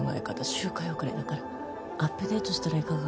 周回遅れだからアップデートしたらいかが？